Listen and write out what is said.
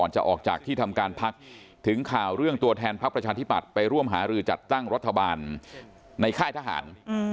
จึงตัวแทนพรรคประชาณธิบัตรไปร่วมหารือจัดตั้งรัฐบาลในค่ายทหาร